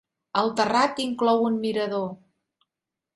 El terrat inclou un mirador.